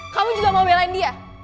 kamu juga mau belain dia